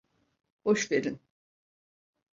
Boş verin.